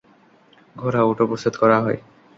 ঘোড়া, উটও প্রস্তুত করা হয়।